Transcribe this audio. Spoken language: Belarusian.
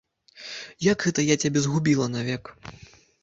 Як гэта я цябе згубіла навек?